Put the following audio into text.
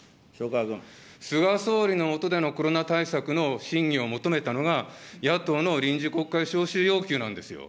菅総理の下でのコロナ対策の審議を求めたのが、野党の臨時国会召集要求なんですよ。